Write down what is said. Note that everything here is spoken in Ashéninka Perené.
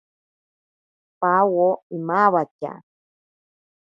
Pawo imawatya.